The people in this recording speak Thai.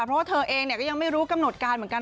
เพราะว่าเธอเองก็ยังไม่รู้กำหนดการเหมือนกัน